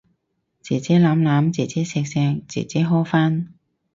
姐姐攬攬，姐姐錫錫，姐姐呵返